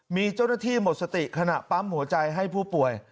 มีเจ้าหน้าที่หมดสติขณะปั๊มหัวใจให้ผู้ป่วย